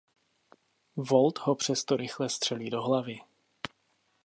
Walt ho přesto rychle střelí do hlavy.